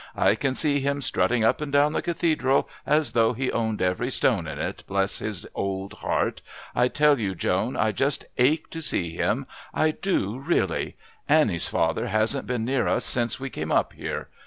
I can see him strutting up and down the Cathedral as though he owned every stone in it, bless his old heart! I tell you, Joan, I just ache to see him. I do really. Annie's father hasn't been near us since we came up here.